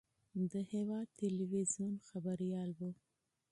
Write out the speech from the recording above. د هېواد تلویزیون خبریال و.